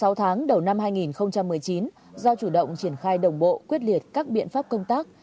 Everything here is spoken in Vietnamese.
sau tháng đầu năm hai nghìn một mươi chín do chủ động triển khai đồng bộ quyết liệt các biện pháp công tác